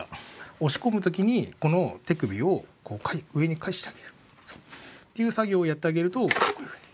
押し込む時にこの手首を上に返してあげる。っていう作業をやってあげるとこういうふうに。